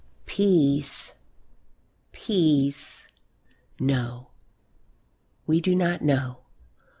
Peace! peace! No, we do not know!